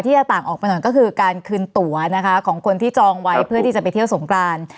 จะต่างออกไปหน่อยก็คือการคืนตัวนะคะของคนที่จองไว้เพื่อที่จะไปเที่ยวสงกราน